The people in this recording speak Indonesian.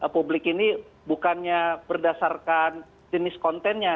publik ini bukannya berdasarkan jenis kontennya